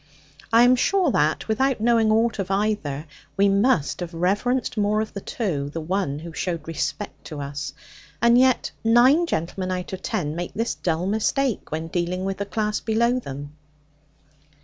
I am sure that, without knowing aught of either, we must have reverenced more of the two the one who showed respect to us. And yet nine gentleman out of ten make this dull mistake when dealing with the class below them!